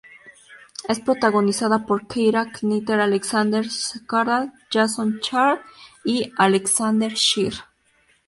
Es protagonizada por Keira Knightley, Alexander Skarsgård, Jason Clarke, y Alexander Scheer.